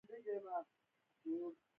مار د سړي بله ښځه وچیچله.